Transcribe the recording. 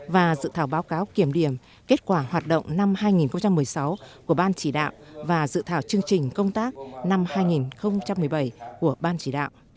và dự thảo báo cáo kiểm điểm kết quả hoạt động năm hai nghìn một mươi sáu của ban chỉ đạo và dự thảo chương trình công tác năm hai nghìn một mươi bảy của ban chỉ đạo